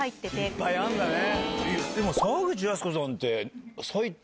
いっぱいあるんだね。